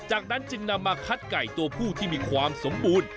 จากนั้นจึงนำมาคัดไก่ตัวผู้ที่มีความสมบูรณ์